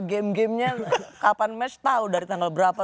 game gamenya kapan mass tahu dari tanggal berapa